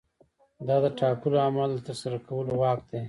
دا د ټاکلو اعمالو د ترسره کولو واک دی.